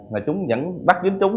mà chúng vẫn bắt dính chúng